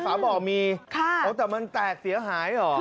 ฝาบ่อมีแต่มันแตกเสียหายเหรอ